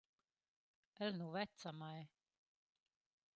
El nu vezza a mai!